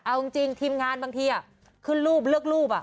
เอาจริงทีมงานบางทีขึ้นรูปเลือกรูป